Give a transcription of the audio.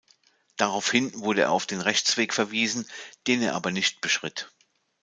Daraufhin wurde er auf den Rechtsweg verwiesen, den er aber nicht beschritt.